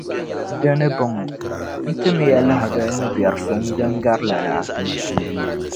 Di ni bɔŋɔ, n-tim ya lahibali ni bɛrisuŋ din gari lala?